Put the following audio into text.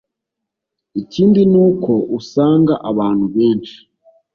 ikindi, n'uko usanga abantu benshi